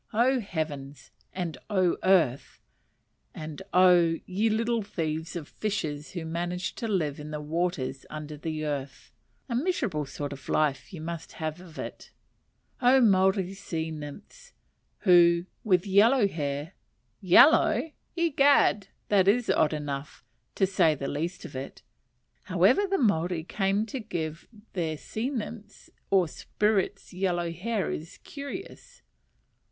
Oh, heavens! and oh, earth! and oh, ye little thieves of fishes who manage to live in the waters under the earth (a miserable sort of life you must have of it)! oh, Maori sea nymphs! who, with yellow hair yellow? egad that's odd enough, to say the least of it: how ever the Maori should come to give their sea nymphs or spirits yellow hair is curious.